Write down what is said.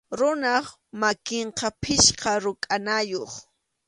Runap makinqa pichqa rukʼanayuq.